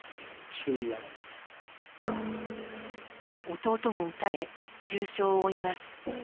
弟も撃たれ重傷を負います。